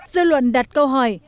dư luận đặt câu hỏi